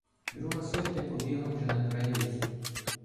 Друга сотня побігла вже на край лісу.